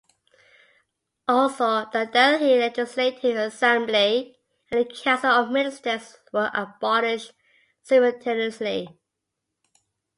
Also the Delhi Legislative Assembly and the Council of Ministers were abolished simultaneously.